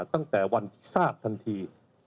ตั้งแต่วันทราบทันที